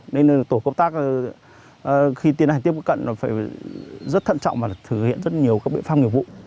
nên tổ công tác khi tiến hành tiếp cận phải rất thận trọng và thực hiện rất nhiều các biện pháp nghiệp vụ